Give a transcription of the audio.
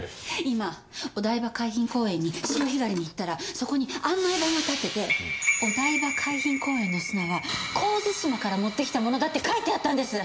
今お台場海浜公園に潮干狩りに行ったらそこに案内板が立っててお台場海浜公園の砂は神津島から持ってきたものだって書いてあったんです！